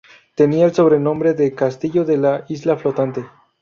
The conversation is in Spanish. Tenía el sobrenombre de "castillo de la isla flotante".